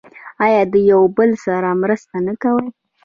آیا او یو بل سره مرسته نه کوي؟